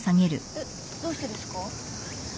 えっどうしてですか？